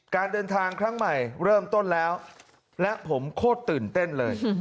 การเดินทางครั้งใหม่เริ่มต้นแล้วและผมโคตรตื่นเต้นเลย